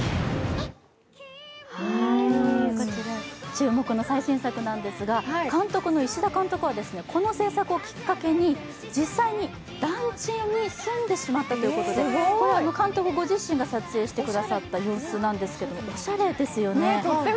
注目の最新作なんですが、監督の石田監督はこの製作をきっかけに実際に団地に住んでしまったということでこれは監督ご自身が撮影してくださった様子なんですけれども、おしゃれですよね。